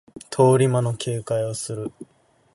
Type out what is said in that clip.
通り魔の警戒をする